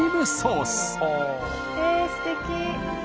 ええすてき。